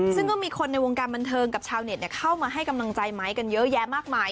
ซึ่งก็มีคนในวงการบันเทิงกับชาวเน็ตเข้ามาให้กำลังใจไม้กันเยอะแยะมากมาย